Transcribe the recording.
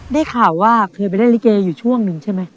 ได้ข่าวว่าเคยไปได้ริเกย์อยู่ช่วงนึงใช่มั้ย